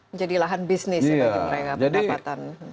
menjadi lahan bisnis ya bagi mereka pendapatan